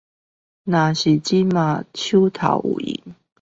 如果現在手上有閒